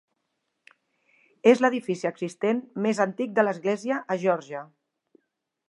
És l'edifici existent més antic de l'església a Geòrgia.